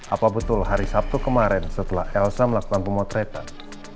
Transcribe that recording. apa betul hari sabtu kemarin setelah elsa melakukan pemotretan